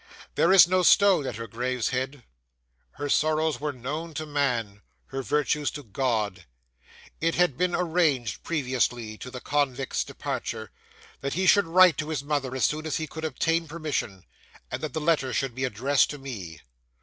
There is no stone at her grave's head. Her sorrows were known to man; her virtues to God. 'It had been arranged previously to the convict's departure, that he should write to his mother as soon as he could obtain permission, and that the letter should be addressed to me.